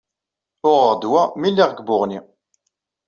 Uɣeɣ-d wa mi lliɣ deg Buɣni.